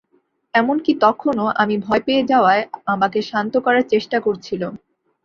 এমনকি তখনও, আমি ভয় পেয়ে যাওয়ায় আমাকে শান্ত করার চেষ্টা করছিলো।